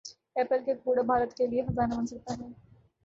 apple کا کوڑا بھارت کیلئے خزانہ بن سکتا ہے